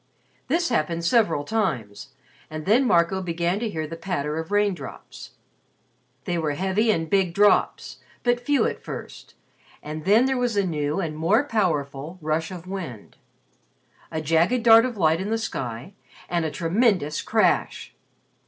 This happened several times, and then Marco began to hear the patter of raindrops. They were heavy and big drops, but few at first, and then there was a new and more powerful rush of wind, a jagged dart of light in the sky, and a tremendous crash.